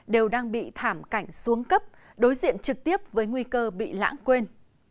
đều đang bị thảm cảnh xuống cấp đối diện trực tiếp với nguy cơ bị lãng quên